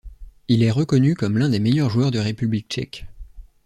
Il est reconnu comme l'un des meilleurs joueurs de République tchèque.